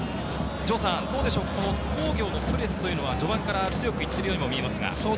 城さん、津工業のプレスというのは序盤から強く行ってるように見えますが。